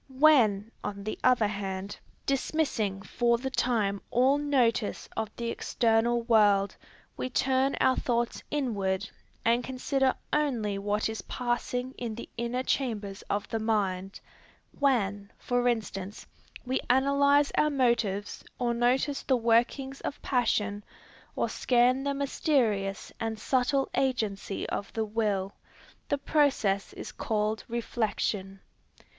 When, on the other hand, dismissing for the time all notice of the external world, we turn our thoughts inward, and consider only what is passing in the inner chambers of the mind, when, for instance, we analyze our motives, or notice the workings of passion, or scan the mysterious and subtle agency of the will, the process is called reflection.